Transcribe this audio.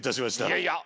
いやいや。